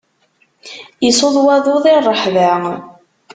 Isuḍ waḍu di ṛṛeḥba.